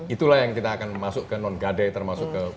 itulah yang kita akan masuk ke non gade termasuk ke